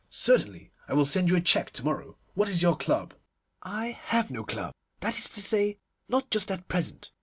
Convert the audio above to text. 'Certainly. I will send you a cheque to morrow. What is your club?' 'I have no club. That is to say, not just at present.